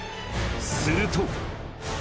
すると。